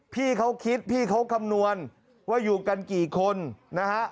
พี่เขาคิดพี่เขาคำนวณว่าอยู่กันกี่คนนะฮะ